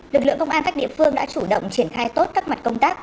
lực lượng công an các địa phương đã chủ động triển khai tốt các mặt công tác